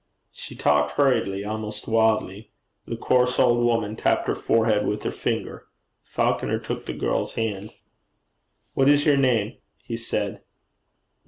She talked hurriedly, almost wildly. The coarse old woman tapped her forehead with her finger. Falconer took the girl's hand. 'What is your name?' he said.